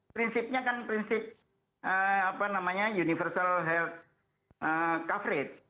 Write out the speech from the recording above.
prinsipnya kan prinsip universal health coverage